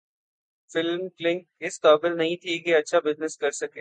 film Kalank اس قابل نہیں تھی کہ اچھا بزنس کرسکے